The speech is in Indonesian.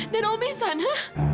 dan om nisan ha